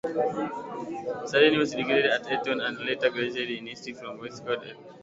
Sudeley was educated at Eton, and later graduated in History from Worcester College, Oxford.